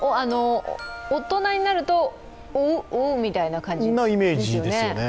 大人になると、オゥッ、オゥッみたいな感じですよね。